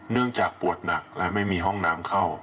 เนื่องจากปวดหนักและไม่มีห้องน้ำเข้า